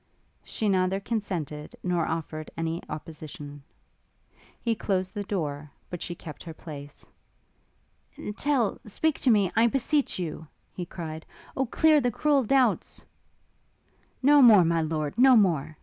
She neither consented nor offered any opposition. He closed the door, but she kept her place. 'Tell speak to me, I beseech you!' he cried, 'Oh clear the cruel doubts ' 'No more, my lord, no more!'